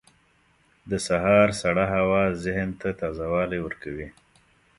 • د سهار سړه هوا ذهن ته تازه والی ورکوي.